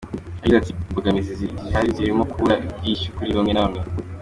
Yagize ati “Imbogamizi zihari zirimo kubura ubwishyu kuri bamwe na bamwe.